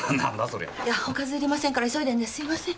おかずいりませんから急いでんですいません。